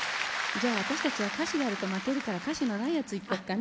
じゃあ私たちは歌詞があると負けるから歌詞がないやついこうかね。